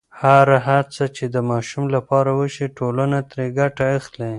هره هڅه چې د ماشوم لپاره وشي، ټولنه ترې ګټه اخلي.